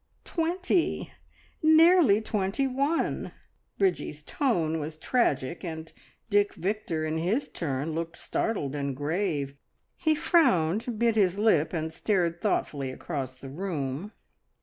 "Twenty nearly twenty one!" Bridgie's tone was tragic, and Dick Victor in his turn looked startled and grave. He frowned, bit his lip, and stared thoughtfully across the room.